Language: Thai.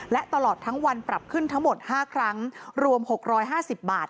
และตลอดทั้งวันปรับขึ้นทั้งหมดห้าครั้งรวมหกร้อยห้าสิบบาท